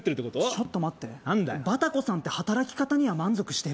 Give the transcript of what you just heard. ちょっと待ってバタコさんって働き方には満足してる？